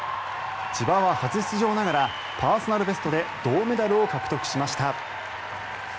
千葉は初出場ながらパーソナルベストで銅メダルを獲得しました。